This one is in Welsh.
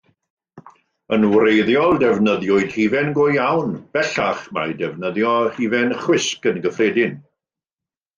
Yn wreiddiol defnyddiwyd hufen go iawn; bellach mae defnyddio hufen chwisg yn gyffredin.